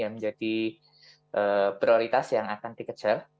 yang menjadi prioritas yang akan dikejar